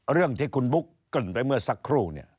เรื่องที่คุณบุ๊คกลั่นไปเมื่อสักครู่